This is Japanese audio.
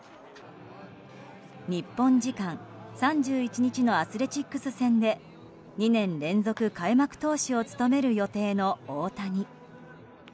日本時間３１日のアスレチックス戦で２年連続開幕投手を務める予定の大谷。